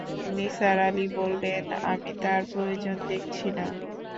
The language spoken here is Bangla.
নিসার আলি বললেন, আমি তার প্রয়োজন দেখছি না।